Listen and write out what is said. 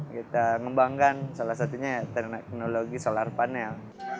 kita ngembangkan salah satunya teknologi solar panel